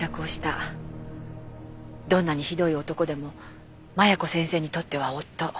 どんなにひどい男でも麻弥子先生にとっては夫。